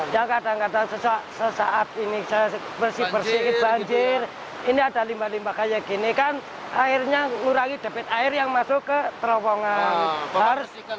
dan kadang kadang sesaat ini bersih bersihin banjir ini ada limba limba kayak gini kan akhirnya ngurangi debit air yang masuk ke terowongan